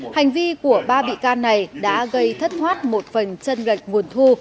hành vi của ba bị can này đã gây thất thoát một phần chân gạch nguồn thu